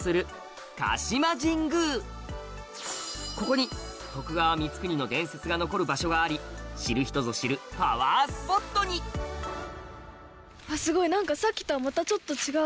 ここに徳川光圀の伝説が残る場所があり知る人ぞ知るパワースポットにすごい何かさっきとはまたちょっと違う。